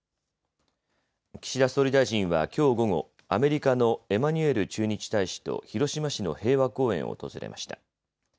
岸田総理大臣はきょう午後、アメリカのエマニュエル駐日大使と広島市の平和公園を訪れました。